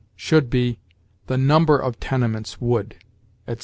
Should be, "the number of tenements would," etc.